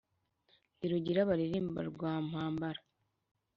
Ndi Rugira baririmba rwa Mpambara